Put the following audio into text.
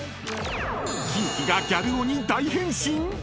［キンキがギャル男に大変身⁉］